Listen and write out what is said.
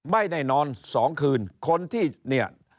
ใบ้ในนอน๒คืนคนที่เนี่ย